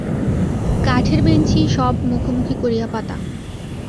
কাঠের বেঞ্চি সব মুখোমুখি করিয়া পাতা।